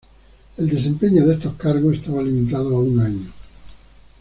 El desempeño de estos cargos estaba limitado a un año.